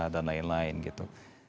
dan lain lain gitu